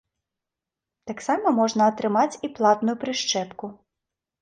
Таксама можна атрымаць і платную прышчэпку.